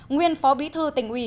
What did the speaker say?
nguyên phó bí thư tỉnh ủy